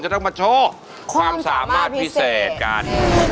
ต้องมาโชว์ความสามารถพิเศษกัน